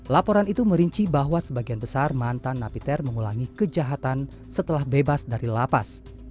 laporan itu merinci bahwa sebagian besar mantan napiter mengulangi kejahatan setelah bebas dari lapas